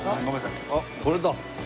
あっこれだ。